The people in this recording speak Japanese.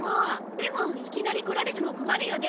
でもいきなり来られても困るよね？